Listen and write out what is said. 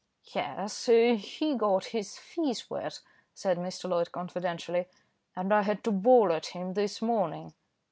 "Yes, he got his feet wet," said Mr. Loyd confidentially, "and I had to bawl at him this morning."